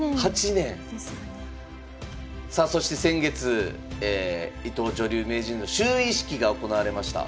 さあそして先月伊藤女流名人の就位式が行われました。